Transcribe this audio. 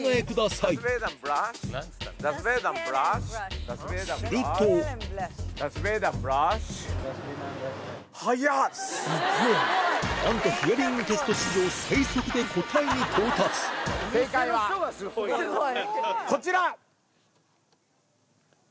するとなんとヒアリングテスト史上こちら！